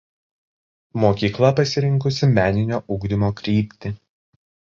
Mokykla pasirinkusi meninio ugdymo kryptį.